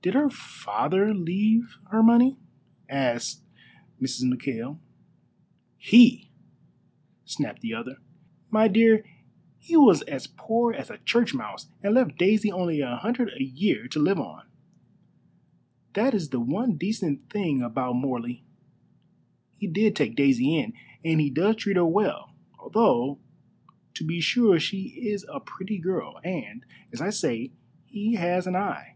"Did her father leave her money?" asked Mrs. McKail. "He!" snapped the other; "my dear, he was as poor as a church mouse, and left Daisy only a hundred a year to live on. That is the one decent thing about Morley. He did take Daisy in, and he does treat her well, though to be sure she is a pretty girl, and, as I say, he has an eye."